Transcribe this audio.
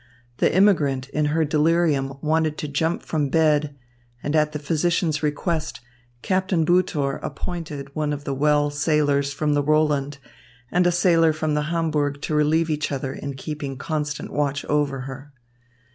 The immigrant in her delirium wanted to jump from bed, and, at the physicians' request, Captain Butor appointed one of the well sailors from the Roland and a sailor from the Hamburg to relieve each other in keeping constant watch over her.